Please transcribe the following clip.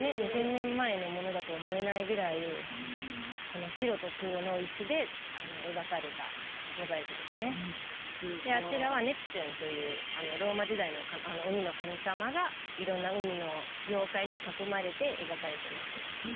２０００年前のものだと思えないぐらいこの白と黒の石で描かれたモザイクですねであちらはネプチューンというローマ時代の海の神様が色んな海の妖怪に囲まれて描かれてます